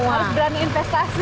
harus berani investasi